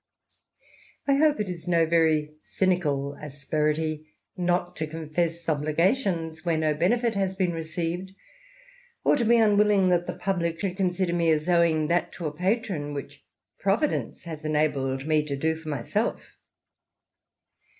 I hope it is no very cynical asperity, not to confess obligations where no benefit has been received, or to be unwilling that the public should consider me as owing that to a patron, which Providence has enabled me to do for myself."